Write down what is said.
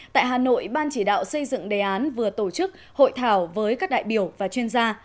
tại hà nội ban chỉ đạo xây dựng đề án vừa tổ chức hội thảo với các đại biểu và chuyên gia